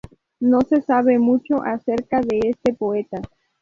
No se sabe mucho acerca de este poeta.